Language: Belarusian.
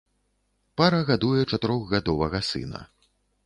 Пара гадуе чатырохгадовага сына.